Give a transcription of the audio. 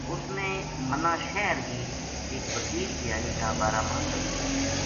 اُس نے مَنا شہر گی ایک وکیل دھیانی کا بارا ما دَسیو